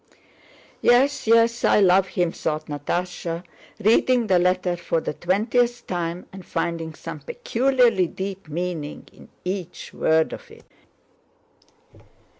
"Yes, yes! I love him!" thought Natásha, reading the letter for the twentieth time and finding some peculiarly deep meaning in each word of it.